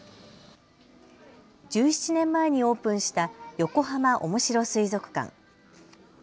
１７年前にオープンしたヨコハマおもしろ水族館。